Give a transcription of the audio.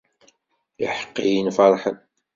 Iḥeqqiyen ferrḥen.